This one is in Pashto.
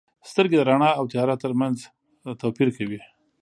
• سترګې د رڼا او تیاره ترمنځ توپیر کوي.